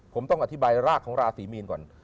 ผมต้องอธิบายรากของราศีมีนก่อน